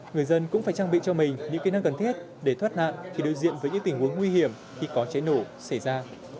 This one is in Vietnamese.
người dân cũng phải trang bị cho mình những kỹ năng cần thiết để thoát nạn khi đối diện với những tình huống nguy hiểm khi có cháy nổ xảy ra